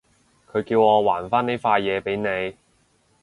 佢叫我還返呢塊嘢畀你